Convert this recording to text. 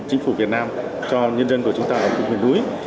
chính phủ việt nam cho nhân dân của chúng ta ở khu miền núi